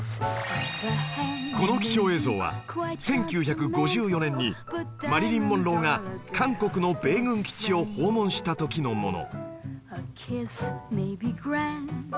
この貴重映像は１９５４年にマリリン・モンローが韓国の米軍基地を訪問した時のもの